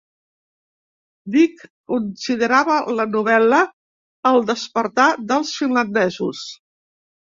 Dick considerava la novel·la el "Despertar dels finlandesos".